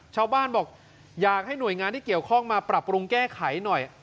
ชาวบ้านบอกอยากให้หน่วยงานที่เกี่ยวข้องมาปรับปรุงแก้ไขหน่อย